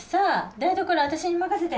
台所は私に任せて！